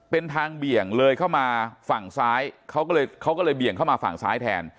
เป็นทางเบี่ยงเลยเข้ามาฝั่งซ้ายเขาก็เลยเขาก็เลยเบี่ยงเข้ามาฝั่งซ้ายแทน